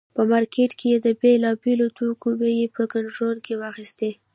په مارکېټ کې یې د بېلابېلو توکو بیې په کنټرول کې واخیستې.